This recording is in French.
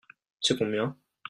C'est combien ?